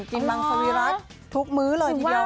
กินบางสวีรัสทุกมื้อเลยทีเดียว